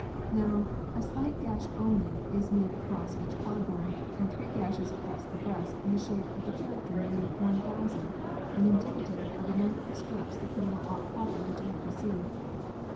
Now, a slight gash only is njade across each collar bone, and three gashes across the breast in the shape of the character meaning one thousand, and indicative of the number of strokes the criminal ought properly to have received.